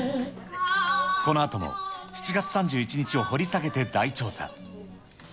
このあとも７月３１日を掘り下げて大調査。